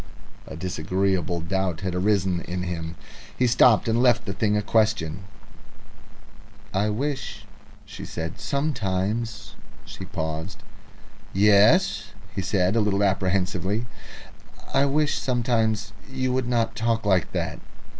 A disagreeable doubt had arisen in him. He stopped, and left the thing a question. "I wish," she said, "sometimes " She paused. "Yes," said he, a little apprehensively. "I wish sometimes you would not talk like that."